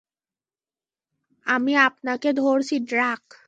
আমি আপনাকে ধরছি, ড্রাক!